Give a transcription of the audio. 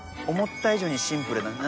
思った以上にシンプル。